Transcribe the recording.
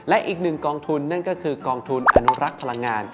และอีกหนึ่งกองทุนนั่นก็คือกองทุนอนุรักษ์พลังงาน